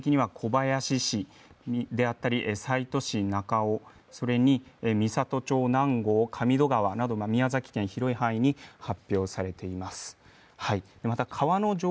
紫色、具体的には小林市であったり西都市それに美郷町南郷、かみど川宮崎県の広い範囲に発表されています。